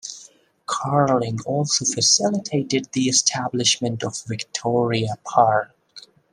Carling also facilitated the establishment of Victoria Park.